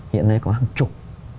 hiện nay có hàng chục